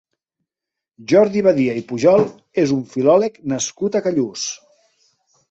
Jordi Badia i Pujol és un filòleg nascut a Callús.